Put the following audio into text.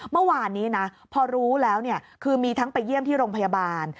เมื่อวานนี้นะพอรู้แล้วคือมีทั้งไปเยี่ยมที่โรงพยาบาล